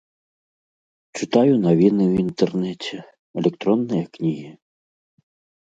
Чытаю навіны ў інтэрнэце, электронныя кнігі.